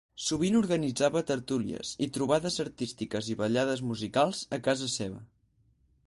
Sovint organitzava tertúlies i trobades artístiques i vetllades musicals a casa seva.